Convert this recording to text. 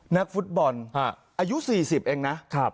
นักฟุตบอลอายุ๔๐เองนะ